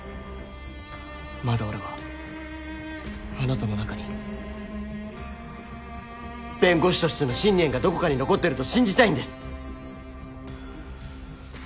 まだ俺はあなたの中に弁護士としての信念がどこかに残ってると信じたいんです。